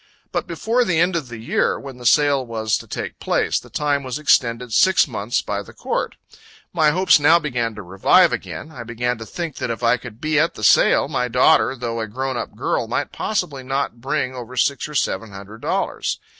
But before the end of the year, when the sale was to take place, the time was extended six months by the Court. My hopes now began to revive again; I began to think that if I could be at the sale, my daughter, though a grown up girl might possibly not bring over six or seven hundred dollars.